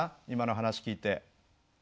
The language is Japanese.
今の話聞いて。